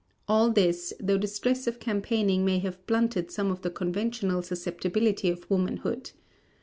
All this, though the stress of campaigning may have blunted some of the conventional susceptibility of womanhood.